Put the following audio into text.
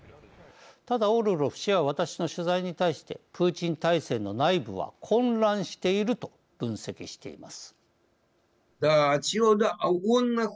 ただ、オルロフ氏は私の取材に対してプーチン体制の内部は混乱していると分析しています。